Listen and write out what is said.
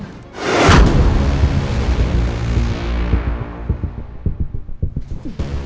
nama pantai aswani reina apa